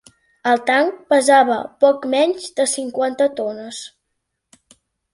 El tanc pesava poc menys de cinquanta tones.